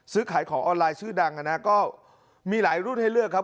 ซื้อขายของออนไลน์ชื่อดังนะก็มีหลายรุ่นให้เลือกครับ